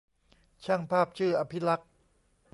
ช่างภาพชื่อ อภิลักษณ์